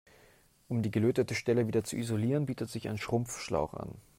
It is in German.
Um die gelötete Stelle wieder zu isolieren, bietet sich ein Schrumpfschlauch an.